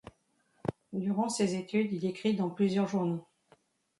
Durant ses études il écrit dans plusieurs journaux.